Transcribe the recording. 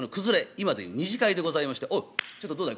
今で言う２次会でございまして「おいちょっとどうだい？